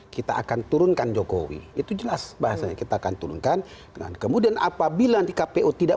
kita akan turunkan jokowi itu jelas bahasanya kita akan turunkan dengan kemudian apabila di kpu tidak